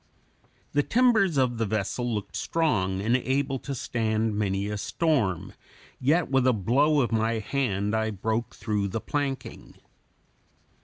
The timbers of the vessel looked strong and able to stand many a storm, yet with a blow of my hand I broke through the planking.